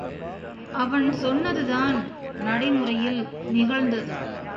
அவன் சொன்னதுதான் நடைமுறையில் நிகழ்ந்தது.